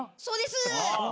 そうです。